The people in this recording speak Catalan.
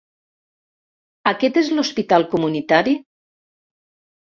Aquest és l'hospital comunitari?